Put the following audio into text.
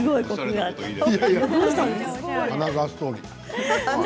アナザーストーリー。